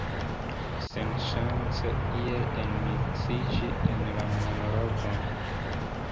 Senŝance iel enmiksiĝi en la monologon.